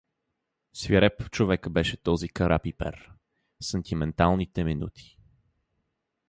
Свиреп човек беше този Кара-Пипер — в сантименталните минути!